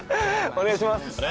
お願いします